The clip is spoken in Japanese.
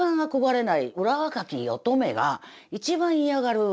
うら若き乙女が一番嫌がる。